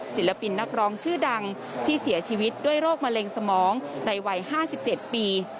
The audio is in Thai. ศิลปินนักร้องชื่อดังที่เสียชีวิตด้วยโรคมะเร็งสมองในวัย๕๗ปี